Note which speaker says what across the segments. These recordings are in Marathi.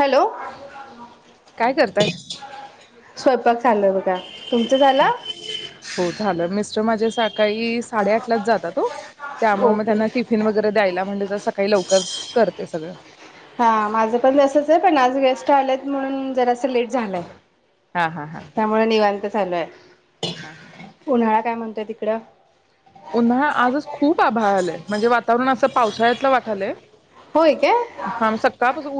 Speaker 1: हॅलो
Speaker 2: काय करताय?
Speaker 1: स्वयंपाक झाल बघा तुमचा झाल?
Speaker 2: ज्यो माझ्या सा सकाळी साडे आठलाच जातत हो त्यामुळे मग
Speaker 1: ओके
Speaker 2: त्यांना टिफिन वगैरे द्यायला म्हणत स काय लवकर करते सगळ.
Speaker 1: हा माझ पण तसच ये पण आज गेस्ट आलेत म्हणून जरास लेट झालय.
Speaker 2: हा हा हा हा
Speaker 1: त्यामुळ निवांत चालूय
Speaker 2: हा.
Speaker 1: उन्हाळा काय म्हण त्या तिकड
Speaker 2: उन्हाळा आजच खूप आभाळ आलाय म्हणजे वातावरण अस पावसाळ्यातल वाटालय
Speaker 1: होय काय?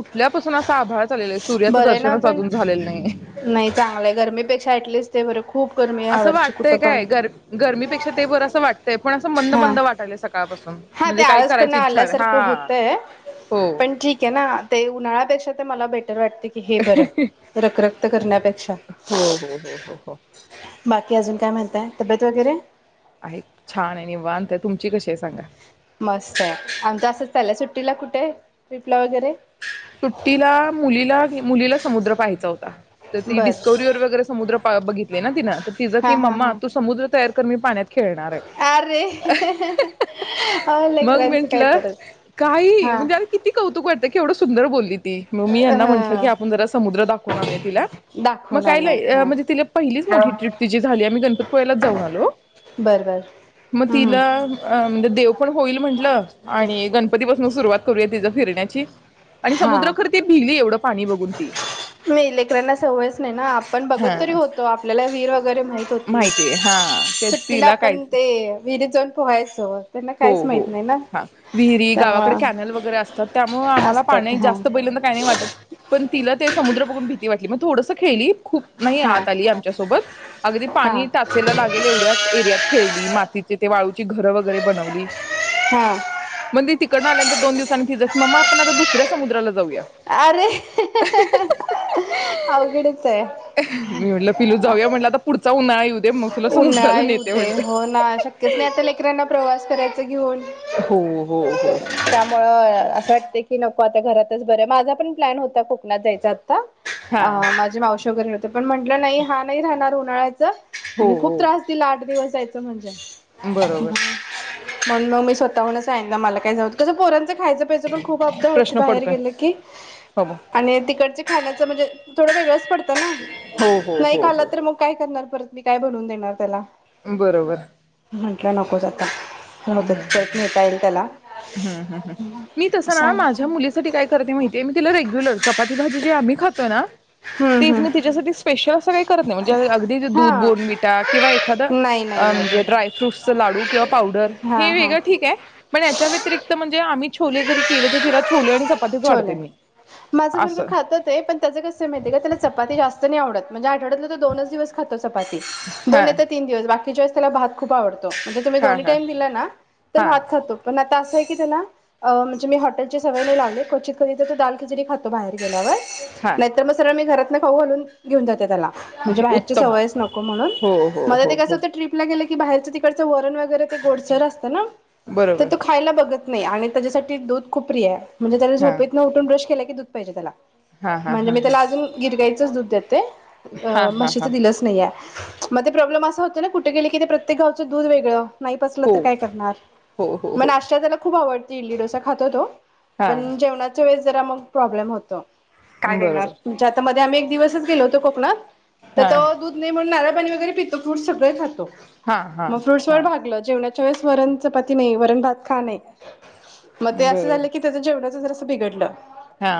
Speaker 2: तल्यापासून असा आभाळ चाललेला आहे सूर्याचं
Speaker 1: बरं आहे ना
Speaker 2: दर्शनच
Speaker 1: पण
Speaker 2: अजून झालेलं नाहीये.
Speaker 1: नाही चांगल आहे गरमीपेक्षा ऍटलिस्ट बर
Speaker 2: अस वाटतय काय गर गर्मीपेक्षा ते बरं अस वाटतय पण अस मंद
Speaker 1: हा
Speaker 2: मंद वाटालय सकाळपासून
Speaker 1: हा ते
Speaker 2: म्हणजे काही
Speaker 1: आळस पण
Speaker 2: करायची इच्छा नाय हा
Speaker 1: आल्यासारखं होतंय
Speaker 2: हो.
Speaker 1: पण ते मला बाई वाटतय की हे बर रखख त करण्या पे-
Speaker 2: हो हो हो हो हो
Speaker 1: बाकी अजून काय म्हणताय तब्येत वगैरे
Speaker 2: आहे छान आहे निवांत आहे तुमची कशी आहे सांगा?
Speaker 1: मस्त आहे आमच असच चालय सुट्टीला कुठे ट्रिपला वगैरे
Speaker 2: सुट्टीला मुलीला मुलीला समुद्र पाहायचा होता तर ती
Speaker 1: बर
Speaker 2: डिस्कवरीवर वगैरे समुद्र पा बघितले ना तिन त तिज की की
Speaker 1: हा हा
Speaker 2: मम्मा
Speaker 1: हा
Speaker 2: तो समुद्र तयार करमी पाण्यात खेळणार आहे.
Speaker 1: अरे आहो
Speaker 2: मग
Speaker 1: लेकरांच काय
Speaker 2: म्हंटलं
Speaker 1: करायचं हा.
Speaker 2: केवडू सुंदर बोलली म मी यांना म्हटलं की
Speaker 1: ह
Speaker 2: आपण जरा समुद्र दाखवून आणू तिला, मग
Speaker 1: दाखवून
Speaker 2: काय
Speaker 1: आणत
Speaker 2: लय म्हणजे तिला पहिलीच
Speaker 1: हा
Speaker 2: मोठी ट्रिप तिची झालीय आम्ही गणपतीपु्ळ्यालाच जाऊन आलो
Speaker 1: बर बर
Speaker 2: मग
Speaker 1: हम्म
Speaker 2: तिला म्हणजे देव पण होईल म्हटलं आणि गणपतीपासून सुरुवात करूया तिज फिरण्या ची आणि
Speaker 1: हा
Speaker 2: समुद्र खर ती भिली एवढं पाणी बघून ती
Speaker 1: नाही लेकरांना सवयच नाही ना आपण
Speaker 2: हा
Speaker 1: बघत तरी होतो आपल्याला वीहीर वगैरे माहीत होती
Speaker 2: माहितीय हा ते
Speaker 1: सुट्टीला
Speaker 2: तिला कायच
Speaker 1: आपण ते विहिरीत जाऊन पोहायचो त्यांना काहीच माहित नाही ना
Speaker 2: हो-हो-हा विहिरी गावाकडे
Speaker 1: त्यामुळं
Speaker 2: कॅनल वगैरे असतात त्यामुळ आम्हाला
Speaker 1: असतात
Speaker 2: पाणी
Speaker 1: हा
Speaker 2: जास्त बघितल्यान काही नाही वाटत पण तिला ते समुद्र बघून भीती वाटली मग थोडंसं खेळली खूप नाही
Speaker 1: हा
Speaker 2: आत आली आमच्यासोबत अगदी
Speaker 1: हा
Speaker 2: पाणी टाचेला लागेल एवढ्याच एरियात खेळली माती तिथे वाळूची घरं वगैरे बनवली
Speaker 1: हा
Speaker 2: म्हणंजे तिकडणा आल्यानंतर दोन दिवांनी तिजच ममा आपण आता दुस्या समुद्राला जाऊया
Speaker 1: अरे ह ह ह ह ह अवघडच ये
Speaker 2: मी म्हटलं पिलू जाऊया म्हटलं आता पुढचा उन्हाळा येऊ दे मग तुला समुद्राला
Speaker 1: उन्हाळाही
Speaker 2: नेते
Speaker 1: होत आहे
Speaker 2: म्हटले
Speaker 1: हो ना, शक्यच नाही आता लेकरांना प्रवा अस करायच घेऊन
Speaker 2: हो हो हो
Speaker 1: त्यामुळं असं वाटते की नको आता घरातच बरं, माझा पण प्लॅन होता कोकणात जायचा
Speaker 2: हा
Speaker 1: माझी मावशी तो घरी होता पण म्हटलं नाही हा नाही राहणार उन्हाळ्याच
Speaker 2: हो
Speaker 1: आणि खूप
Speaker 2: हो
Speaker 1: त्रास दिला आठ दिवस जायचं म्हणे म
Speaker 2: बरोबर
Speaker 1: मण मग मी स्वतःताहूनच सांगितलं मला काय झांसं कसं पोरांचं खयचं प्या खूप अबदा होती
Speaker 2: प्रश्न
Speaker 1: बाहेर
Speaker 2: पडतोय
Speaker 1: गे की
Speaker 2: हो
Speaker 1: आणि तिकड चं खाण्याची म्हणजे थोड वेगळंच पडतं
Speaker 2: हो हो
Speaker 1: नाही
Speaker 2: हो
Speaker 1: खालं
Speaker 2: हो
Speaker 1: तर मग काय करणार? परत मी काय बनवून देणार त्याला?
Speaker 2: बरोबर
Speaker 1: म्हटल्या नको जाता
Speaker 2: हूं हूं हूं हूं हूं हूं मी कसं ना
Speaker 1: सांग
Speaker 2: माझ्या मुलीसाठी काय करते माहितीये, मी तिला रेग्युलर चपाती भाजी जी आम्ही खातोय ना
Speaker 1: हम्म
Speaker 2: तेच
Speaker 1: हम्म
Speaker 2: मी तिच्यासाठी स्पेशल असं काही करते नाही म्हणजे अगदी दूध
Speaker 1: हां
Speaker 2: बोनविटा किंवा एखादं
Speaker 1: नाही नाही
Speaker 2: म्हणजे
Speaker 1: नाही
Speaker 2: ड्रायफ्रूटचा लाडू किंवा पावडर हे
Speaker 1: हां हां
Speaker 2: वेगळं ठीकय पण याच्या व्यतिरिक्त म्हणजे आम्ही छोले जरी केले तर तिला छोले आणि चपातीच वाढते
Speaker 1: छोले
Speaker 2: मी
Speaker 1: माझं बरबर
Speaker 2: असं
Speaker 1: खात ते पण त्याच कस माहितेय का त्याला चपाती जास्त नाही आवड म्हणजे आठवड्यातल तो दोनच दिवस खातस चपाती दोन
Speaker 2: हा
Speaker 1: नाय तर तीन दिवस बाकी त्याला भात खूप आवडं म्हणजे तुम्ही
Speaker 2: हा
Speaker 1: दोन
Speaker 2: हा
Speaker 1: टाइम दिला ना तर
Speaker 2: हा
Speaker 1: भात खातो पण आत त असय की त्याला अ म्हणजे मी हॉटेलची सवय नाही लावले क्वचित कधी तर दाल खिचडी खातो बाहेर गेल्यावर
Speaker 2: हा
Speaker 1: नाहीतर म सरळ मी घरात खाऊ घालून घेऊन जाते त्याला म्हणजे बाहेरची
Speaker 2: उत्तम
Speaker 1: सवयच नको म्हणून
Speaker 2: हो हो
Speaker 1: मला
Speaker 2: हो
Speaker 1: ते कस
Speaker 2: हो
Speaker 1: होतं ट्रीपला गेल की, की बाहेरच तिकडचं वरण वगैरे ते गोडसर असतं ना? तर
Speaker 2: बरोबर
Speaker 1: तो खायला बघत नाय आणि त्याच्यासाठी दूध खूप प्रिय आहे. म्हणजे त्याला
Speaker 2: हा
Speaker 1: झोपेतन उठून ब्रश केला की की दूध पाहिजे त्याला.
Speaker 2: हा हा हा
Speaker 1: म्हणजे मी
Speaker 2: हा
Speaker 1: त्याला अजून गिरगायीचंच दुध [inaudible] अ
Speaker 2: हा हा हा
Speaker 1: म्हशीचं दिलंच नाहीये. म ते प्रॉब्लेम असा होतो ना कुठे की ते प्रत्येक गावचं दूध वेगळं नाही पचलं
Speaker 2: हो
Speaker 1: तर काय करणार
Speaker 2: हो हो
Speaker 1: म
Speaker 2: हो
Speaker 1: नाष्टा त्याला खूप आवड इडली डोसा खातो तो
Speaker 2: हा
Speaker 1: पण जेवणाच वेळेस जरा मग प्रॉब्लेम होतो. काय देणार
Speaker 2: बरोबर
Speaker 1: तुमच्या आतामध्ये आम्ही दिवसच गेलो होतो कोकणात. तर
Speaker 2: हा
Speaker 1: तो दूध नाय म्हणुन नार पाणी वगैरे पितो फ्रूटस सगळे खातो.
Speaker 2: हा हा
Speaker 1: म फ्रूट्स
Speaker 2: हा
Speaker 1: वर भागलं जेवणा वेळेस वरण चपाती नाही वरण भात खा नाही म ते असं
Speaker 2: बरोबर
Speaker 1: झालं की त्याच जेवणाच बिघडलं
Speaker 2: हा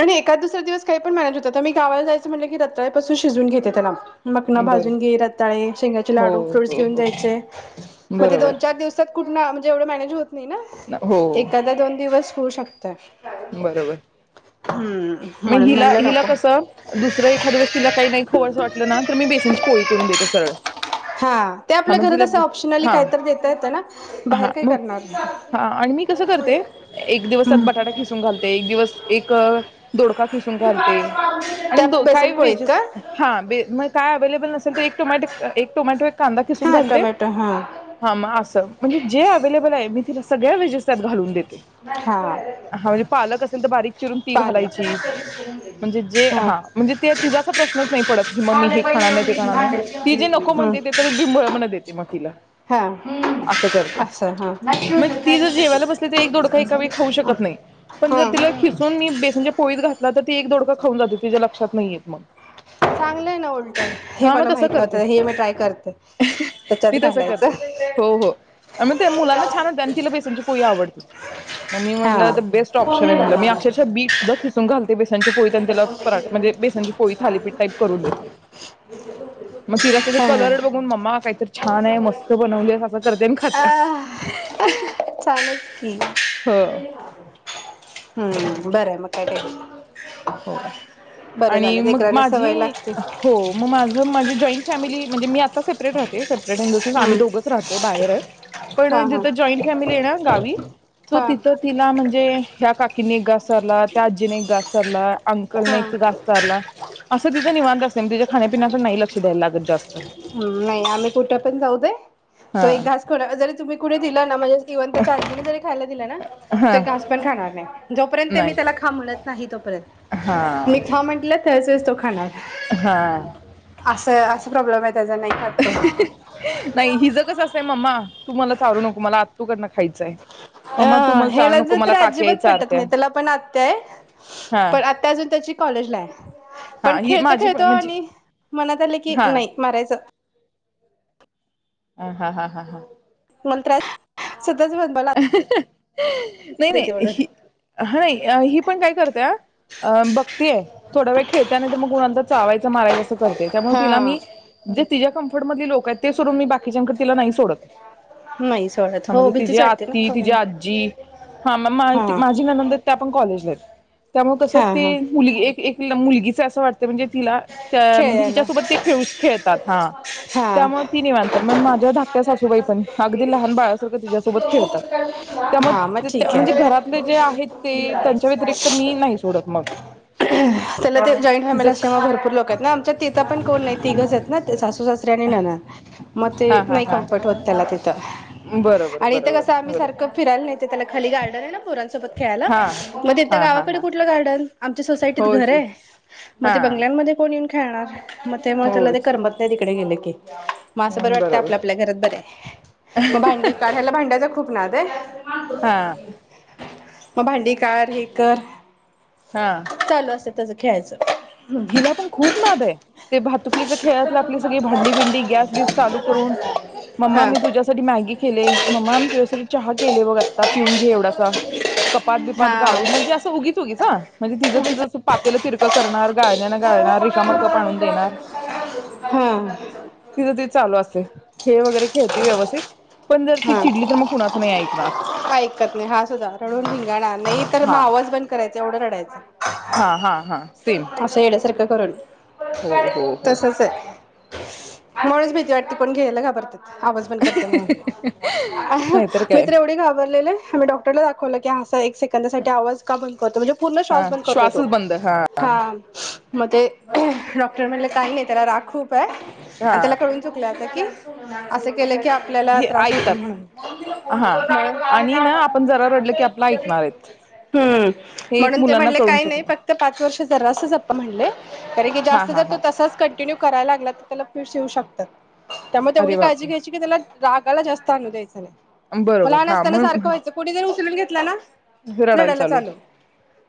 Speaker 1: आणि एखाद दुसरा दिवस काही पण मॅनेज होता त मी गावाला जायचं म्हटलं की रताळ्यापासून शिजून घेते त्याला मकना
Speaker 2: बरं
Speaker 1: भाजून घे रताळे शेंगाचे
Speaker 2: हो
Speaker 1: लाडू फ्रूट्स
Speaker 2: हो
Speaker 1: घेऊन
Speaker 2: हो
Speaker 1: जायचे म ते दोन चार
Speaker 2: बरोबर
Speaker 1: दिवसात कुटना म्हणजे एवढ मॅनेज होत नाही ना
Speaker 2: हो
Speaker 1: एखादा दोन दिवस होऊ शक
Speaker 2: बरोबर
Speaker 1: हम्म
Speaker 2: म
Speaker 1: म्हणून
Speaker 2: हिला
Speaker 1: म्हणलं
Speaker 2: हिला
Speaker 1: नको
Speaker 2: कसं दुसरं एखाद्या वेळेस तिला काही नाही खवचं वाटलं ना तर मी बेसनची पोळी करून देते सरळ
Speaker 1: हा ते
Speaker 2: हा
Speaker 1: आपल्या
Speaker 2: मग
Speaker 1: घरातं
Speaker 2: तिला
Speaker 1: अस ऑप्शनली
Speaker 2: हा
Speaker 1: काहीतरी देता येतं ना बाहेर
Speaker 2: हा
Speaker 1: काय
Speaker 2: मग
Speaker 1: करणार
Speaker 2: हा आणि मी कसं करते एक दिवसात
Speaker 1: हूं
Speaker 2: बटाटा खिसून एक दिवस एक दोडका खिसून घालते. आणि
Speaker 1: त्या
Speaker 2: दो काय
Speaker 1: बेसन पोळीत
Speaker 2: वेजीस
Speaker 1: का
Speaker 2: हा म काय अवेलेबल नसेल, तर एक टोमॅटो एक टोमॅटो एक कांदा खिसून
Speaker 1: हा
Speaker 2: घालते.
Speaker 1: टोमॅटो हा
Speaker 2: हा म असं म्हणजे जे अवेलेबल आहे मी तिला स सगळ्या वेजेस त्यात घालून देते.
Speaker 1: हा
Speaker 2: हा म्हणजे पालक असेल तर बारीक चिरून ती
Speaker 1: पालक
Speaker 2: घालायची म्हणजे जे हा म्हणजे ते तिचा असा प्रश्नच नाही पडत की मम्मी
Speaker 1: काले
Speaker 2: हे
Speaker 1: बाई
Speaker 2: खाणार नाही ते
Speaker 1: एवढी
Speaker 2: खाणार नाही
Speaker 1: भांड्याची
Speaker 2: ती
Speaker 1: होते
Speaker 2: जे नको
Speaker 1: हम्म
Speaker 2: म्हणतेे ते तर बिंबळ म्हणत देते. मग तिला
Speaker 1: हा हूं
Speaker 2: असं करते.
Speaker 1: असं हं
Speaker 2: मग ती जर जेवायला बसली तर एक दोडका एका वेळी खाऊ शकत नाही. पण जर तिला खिसून मी बेसनच्या पोळीत घातल. तर ती एक दोडका खाऊन जाते तिच्या लक्षात नाही येत मग
Speaker 1: चांगलं आहे ना उलट हे
Speaker 2: हा मग
Speaker 1: मला
Speaker 2: तस
Speaker 1: माहित
Speaker 2: करते
Speaker 1: नव्हतं हे मी ट्राय करते त्याच्यात
Speaker 2: मी तस
Speaker 1: घालायचं
Speaker 2: करते हो हो म त्या मुलांना छान होते आणि तिला बेसनची पोळी आवडती म मी म्हटल
Speaker 1: हा
Speaker 2: बेस्ट ऑप्शन
Speaker 1: फोन
Speaker 2: हाय
Speaker 1: नाही
Speaker 2: म्हटल
Speaker 1: झाला
Speaker 2: मी
Speaker 1: आम्हाला.
Speaker 2: अक्षरशः बीटसुद्धा खिसुन घालते. बेसनच्या पोळी त्याला पराठा म्हणजे बेसनची पोळी थालीपीठ टाईप करून देते मग तिला कलर्ड बघून मम्मा काहीतर छान आहे मस्त बनवली आहेस अस करते. आणि
Speaker 1: अ
Speaker 2: खात्या
Speaker 1: चालल की
Speaker 2: हो
Speaker 1: हम्म बरं म काय टेन्श
Speaker 2: हो आणि मग
Speaker 1: लेकरांना
Speaker 2: माझी
Speaker 1: सवय लागते
Speaker 2: हो मग माझ माझी जॉईंट फॅमिली म्हणजे मी आता सेपरेट राहते सेपरेट आहे. आम्ही
Speaker 1: हम्म
Speaker 2: दोघच राहतोय बाहेरच
Speaker 1: हा
Speaker 2: पण
Speaker 1: हा
Speaker 2: जिथं जॉईंट फॅमिली आहे ना गावी सो
Speaker 1: हा
Speaker 2: तिथं तिला म्हणजे ह्या काकींनी एक घास चारला त्या आज्जीने एक घास. अंकलने
Speaker 1: हा
Speaker 2: एक घास चारला अस ति तीच निवांत असतय तीच्या खाण्यापिण्याकड नाही लक्ष द्यायला लागत जास्त
Speaker 1: हूं नाही आम्ही कुठ पण जाऊ दे तो
Speaker 2: हा
Speaker 1: एक घास कोणं जरी तुम्ही कुणी दिलं [unintelligible] इव्हन त्याच्या आजीने जरी खायला दिल ना ते
Speaker 2: हा
Speaker 1: घास पण खाणार नाही जोपर्यंत ते मी
Speaker 2: नाही
Speaker 1: त्याला खा म्हणत नाही
Speaker 2: हा
Speaker 1: तोपर्यंत मी खा म्हटल तर स तो खाणार
Speaker 2: हा
Speaker 1: अस [unintelligible]
Speaker 2: ही ही ह नाय हिज कस असतय मम्मा तू मला चारू नको मला आत्तू कडन खायचय
Speaker 1: अ हेला ज तर अजिबात पटत
Speaker 2: चारत्या
Speaker 1: नाही त्याला पण आत्याय
Speaker 2: हा
Speaker 1: पण आता अजून त्याची कॉलेजलाये
Speaker 2: हा
Speaker 1: पण
Speaker 2: ही
Speaker 1: खेळतो
Speaker 2: माझी
Speaker 1: खेळतो
Speaker 2: पण म्हणजे
Speaker 1: आणि मनात आल की
Speaker 2: हा
Speaker 1: नाही मारायच
Speaker 2: ह हा हा हा हा
Speaker 1: [unintelligible] [unintelligible]
Speaker 2: नाही
Speaker 1: देते
Speaker 2: नाही
Speaker 1: म्हणून
Speaker 2: ही ह ही पण काय करते अ बघते थोडा वेळ खेळताना जर मग कुणाला तर चावायच मारयच करते त्यामुळे तिला
Speaker 1: हा
Speaker 2: मी जे तिज्या क [unintelligible] लोक आहेत ते सोडून मी बाकीच्याकड तिला नाही सोडत
Speaker 1: नाही सोडत हो भीतीच वाटते ना
Speaker 2: तिझी
Speaker 1: पोरांना
Speaker 2: आजी हा म माझी ननंद आहेत त्या पण कॉ [inaudible] त्यामुळ कस
Speaker 1: हा
Speaker 2: ती
Speaker 1: हा
Speaker 2: मुलगी एक एक मुलगीच अस वाट म्हणजे तिला त्या म्हणजे
Speaker 1: खेळायला
Speaker 2: हिच्यासोबत ते खेळु खेळतात हा त्यामुळे
Speaker 1: हा
Speaker 2: ती निवांत मग माझ्या धाकट्या सासूबाई पण अगदी लहान बाळ सारखं तिच्यासोबत खेळतात
Speaker 1: हा मग
Speaker 2: त्यामुळे
Speaker 1: ठीक
Speaker 2: म्हणजे
Speaker 1: आहे.
Speaker 2: घरातले जे आहेत ते त्यांच्या व्यतिरिक्त मी नाही सोडत मग तिज
Speaker 1: तवा भरपूर लोक आहेत ना आमच्यात तिथ पण कोण नाय सासू सासरे आणि नणंद म ते
Speaker 2: हा हा
Speaker 1: नाही
Speaker 2: हा
Speaker 1: कंफर्ट होत त्याला तिथ
Speaker 2: बरोबर
Speaker 1: इथ
Speaker 2: बरोबर
Speaker 1: कस आम्ही
Speaker 2: बरोबर
Speaker 1: सारख फिरायला नेते त्याला खाली गार्डन आहे ना पोरांसोबत खेळायला
Speaker 2: हा
Speaker 1: मग तिथ
Speaker 2: हा हा
Speaker 1: गावाकड
Speaker 2: हा
Speaker 1: कुठल गार्डन? आमच्या सोसायटीत
Speaker 2: होय
Speaker 1: घर
Speaker 2: की
Speaker 1: हे. मग ते
Speaker 2: हा
Speaker 1: बंगल्यांमध्ये कोणी? खेळणार मग त्यामुळे त्याला
Speaker 2: होय
Speaker 1: ते
Speaker 2: की
Speaker 1: करमत नाही तिकडे गेल की मग अस बर वाटत
Speaker 2: बरोबर
Speaker 1: आपल्या आपल्या घरात बरय म भांडी काढायला भांड्याच खूप ना ते [unintelligible]
Speaker 2: हा
Speaker 1: म भांडी काढ हे कर.
Speaker 2: हा
Speaker 1: चालू असतं त्याचं खेळायचं.
Speaker 2: हिला पण खूप नाद आहे ते भातुकलीच्या खेळातलं आपली सगळी भांडी भिंडी गॅस बीस चालू करून मम्मा
Speaker 1: हा
Speaker 2: मी तुझ्यासाठी मॅगी केले मम्मा मी तुझ्यासाठी चहा केले बघ आता पिऊन घे एवढासा कपात बिपात
Speaker 1: हा
Speaker 2: गाळून म्हणजे असं उगीच उगीच हा म्हणजे तिझं
Speaker 1: उगीच
Speaker 2: तिझं स पा तिला तिरक करणा गाळण्यान गाळणार रिकाम कप आणून देणार
Speaker 1: हा
Speaker 2: तिज तिज चालू असतय खेळ वगैरे खेळती व्यवस्थित पण जर ती
Speaker 1: हा
Speaker 2: चिडली तर मग कुणाच नाही ऐकणार
Speaker 1: काय ऐकत नाही हा सुद्धा रडून धिंगाणा नाही तर मग
Speaker 2: हा
Speaker 1: आवाज बंद करायचा एवढं रड
Speaker 2: हा हा हा सेम
Speaker 1: कायचं असं येड्यासारखं करून
Speaker 2: हो हो हो
Speaker 1: तसच आहे. म्हणूनच भीती वाटते पण घ्यायला घाबरतात आवाज पण करते मग
Speaker 2: नाहीतर
Speaker 1: मी
Speaker 2: काय
Speaker 1: तर एवढी घाबर लेले आम्ही डॉक्टरला दाखवलं की असय सेकंदा साठी आवाज का बंद करतो म्हणजे पूर्ण
Speaker 2: हा
Speaker 1: श्वास बंद करतोय तो
Speaker 2: श्वासच बंद
Speaker 1: हा म ते डॉक्टर म्हणले काही नाही त्याला राग खूप काय
Speaker 2: हा
Speaker 1: आणि त्याला कळून चुकलंय आता की, असे केले की आप आपल्याला
Speaker 2: हे
Speaker 1: त्रास होतं
Speaker 2: ऐकतात
Speaker 1: म्हणून
Speaker 2: हा आणि ना आपण जरा रडलं की आपला ऐकणार आहेत
Speaker 1: हं
Speaker 2: हे एक
Speaker 1: म्हणून तर
Speaker 2: मुलांना
Speaker 1: मनल
Speaker 2: कळून
Speaker 1: काही नाही
Speaker 2: चुकलं
Speaker 1: फक्त पाच वर्ष जरासं जपा म्हणले कारण की
Speaker 2: हा
Speaker 1: जास्त
Speaker 2: हा
Speaker 1: जर तो
Speaker 2: हा
Speaker 1: तसाच कन टीन्यू करायला लागला तर त्याला फिट्स येऊ शकतात. त्यामुळे तेवढी
Speaker 2: अरे
Speaker 1: काळजी घ्यायची
Speaker 2: बापरे
Speaker 1: की त्याला राग त्याला जास्त आणु द्यायचा नाय
Speaker 2: बरोबर हा म्हण
Speaker 1: लून घेतला ना रडायला चालू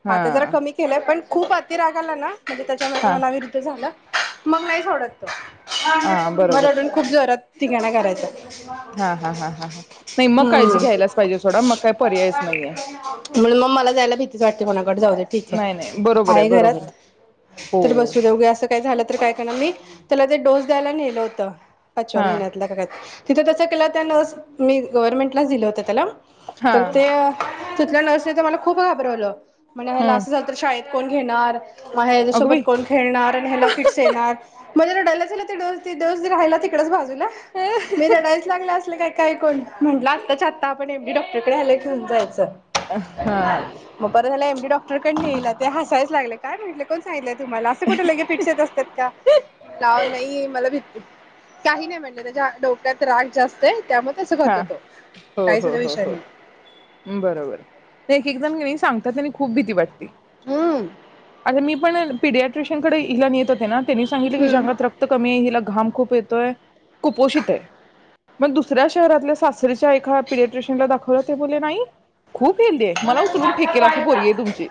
Speaker 2: हा
Speaker 1: आता जरा कमी केलंय पण खूप अति राग आला ना म्हणजे त्याच्या म
Speaker 2: हा
Speaker 1: मनाविरुद्ध झालं मग नाही सोडत तो
Speaker 2: हा बरोबर
Speaker 1: मला पण खूप जोरात. तिघानां करायचं. हम्म
Speaker 2: हा हा हा हा हा नाही मग काळजी घ्यायलाच पाहिजे सोडा मग काय पर्यायच नाहीये
Speaker 1: हम्म मग मला जायला भीतीच वाटते कोणाकडे जाऊ दे ठीक आहे.
Speaker 2: नाही नाही बरोबर
Speaker 1: आहे घरात
Speaker 2: बरोबर आहे
Speaker 1: तर बसू
Speaker 2: हो
Speaker 1: द्या. उगीच असं काय झालं तर काय करणार मी त्याला ते डोस द्यायला नेलं होतं. पाचव्या
Speaker 2: हा
Speaker 1: महिन्यातल्या का काय? तिथं तचं केलंत त्या लस मी गव्हर्नमेंटलाच दिल्या होत्या त्याला
Speaker 2: हा
Speaker 1: तर ते तिथल्या नर्सने तर मला खूप घाबरवलं. मला हेला
Speaker 2: हम्म
Speaker 1: असं झालतं शाळेत कोण घेणार? मग
Speaker 2: अगं
Speaker 1: ह्याच्यासोबत
Speaker 2: बाई
Speaker 1: कोण खेळणार आणि ह्याला फिट्स येणार मला रडायला आलंच ते डोस ते डोस राहिला तिकडच बाजू ला मी रडायलाच लागले काय काय कोण म्हटलं आत्ताच्या आत्ता आपण एम डी डॉक्टरकडे आल घेऊन जायचं.
Speaker 2: अ हा.
Speaker 1: ते ला एमडी डॉक्टरकड नेल ते हसायलाच लागले. कायं म्हटलं, कोण सांगीतलेत? तुम्हाला असं कुठं लगेचं फिट्स येत असतात का म्हणलं आव नाही मला भिती काही नाही म्हणलं त्याच्या डोक्यात राग जास्त काय?
Speaker 2: हा हो हो हो
Speaker 1: विषय
Speaker 2: हो
Speaker 1: नाही
Speaker 2: बरोबर एक एकजण कणी सांगता तर त्यानी खूप भीती वाटती.
Speaker 1: हम्म
Speaker 2: आणि मी पण पिढ्या ट्युशनकडे हिला नेत होते ना. त्यांनी सांगितलं कि हिज्या
Speaker 1: हम्म
Speaker 2: अंगात रक्त कमी आहे हिला घाम खूप येतोय. कुपोषित आहे. मग दुस सऱ्या शहरातल्या सासरीच्या एका पिलेट्रिशयन ला दाखवलं ते बोलले नाही.
Speaker 1: [inaudible]
Speaker 2: खूप हेल्दी आहे मला उचलून फेकेल अशी पोरगी आहे तुमची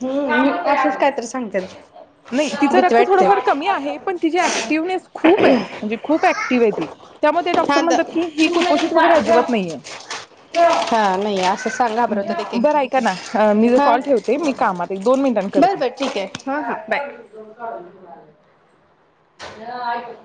Speaker 1: हम्म हम्म असचं कायतरी सांगतात.
Speaker 2: नाही तिचं
Speaker 1: भीती
Speaker 2: रक्त
Speaker 1: वाटते
Speaker 2: थोडफार कमी आहे पण तिची ऍक्टिवनेस खूप आहे. म्हणजे खूप ऍक्टिव्ह आहे ती त्यामुळे डॉक्टर
Speaker 1: हा द
Speaker 2: म्हणतात की ही कुपोषित वगैरे अजिबात नाही आहे.
Speaker 1: [unintelligible] हां बरं
Speaker 2: ठेवते मी कामात एक दोन मिनिटांनी करते
Speaker 1: बरं ठीक हाय हां हां बाय [inaudible]